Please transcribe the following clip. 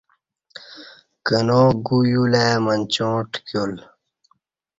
کنا گو یولہ ای منچاں ٹکیول